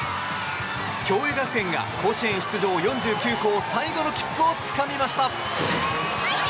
共栄学園が甲子園出場４９校の最後の切符をつかみました。